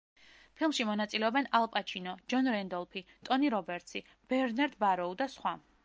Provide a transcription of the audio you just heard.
ფილმში მონაწილეობენ ალ პაჩინო, ჯონ რენდოლფი, ტონი რობერტსი, ბერნანდ ბაროუ და სხვა.